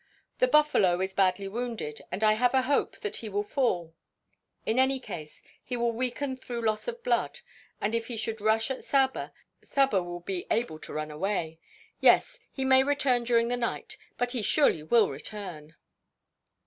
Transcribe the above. The buffalo is badly wounded, and I have a hope that he will fall. In any case he will weaken through loss of blood, and if he should rush at Saba, Saba will be able to run away. Yes! he may return during the night, but he surely will return."